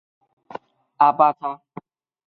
阿巴扎。